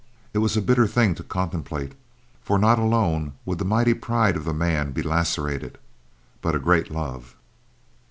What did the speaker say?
It was a bitter thing to contemplate, for not alone would the mighty pride of the man be lacerated, but a great love.